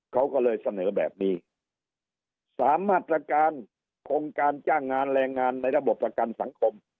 เขาก็เลยเสนอแบบนี้๓มาตรการโครงการจ้างงานแรงงานในระบบประกันสังคม